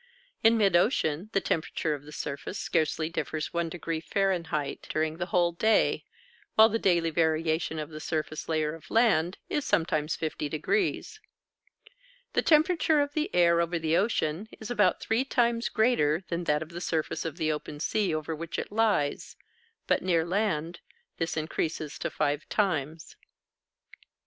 In mid ocean the temperature of the surface scarcely differs 1° Fahr. during the whole day, while the daily variation of the surface layer of land is sometimes 50°. The temperature of the air over the ocean is about three times greater than that of the surface of the open sea over which it lies; but, near land, this increases to five times.